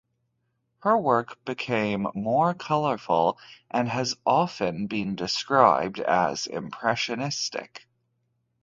Her work became more colorful and has often been described as impressionistic.